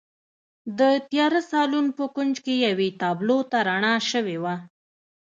د تیاره سالون په کونج کې یوې تابلو ته رڼا شوې وه